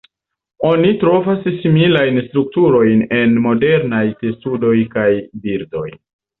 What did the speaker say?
Oni trovas similajn strukturojn en modernaj testudoj kaj birdoj.